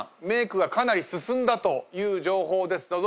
メークがかなり進んだという情報です。